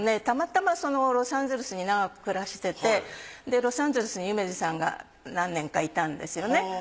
たまたまロサンゼルスに長く暮らしててでロサンゼルスに夢二さんが何年かいたんですよね。